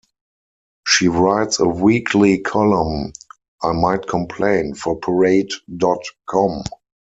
She writes a weekly column, "I Might Complain," for Parade dot com.